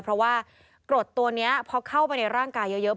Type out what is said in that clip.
เพราะว่ากรดตัวนี้พอเข้าไปในร่างกายเยอะ